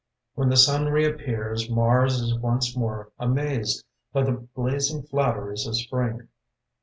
When the sun reappears Mars is once more amazed By the blazing flatteries of Spring.